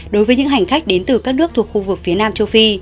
đối với những hành khách đến từ các nước thuộc khu vực phía nam châu phi